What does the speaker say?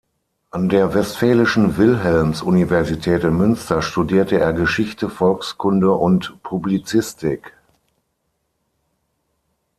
An der Westfälischen Wilhelms-Universität in Münster studierte er Geschichte, Volkskunde und Publizistik.